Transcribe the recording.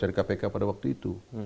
dari kpk pada waktu itu